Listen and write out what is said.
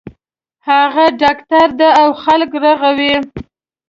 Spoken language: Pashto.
هغه ډاکټر ده او خلک رغوی